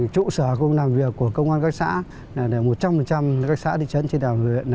chủ sở công an làm việc của công an các xã là một trăm linh các xã địa chấn trên đảo huyện